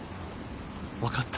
分かった。